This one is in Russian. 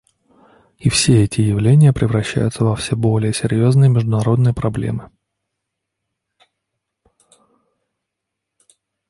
И все эти явления превращаются во все более серьезные международные проблемы.